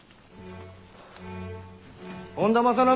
本多正信。